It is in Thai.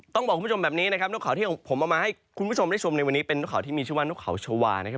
ต้องบอกคุณผู้ชมแบบนี้นะครับนกข่าวที่ของผมเอามาให้คุณผู้ชมได้ชมในวันนี้เป็นนกเขาที่มีชื่อว่านกเขาชาวานะครับ